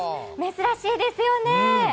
珍しいですよね。